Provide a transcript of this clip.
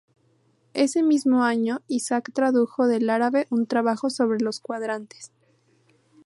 Ese mismo año Isaac tradujo del árabe un trabajo sobre los cuadrantes.